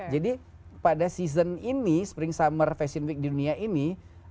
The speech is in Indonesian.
jadi pada season ini spring summer fashion week di dunia ini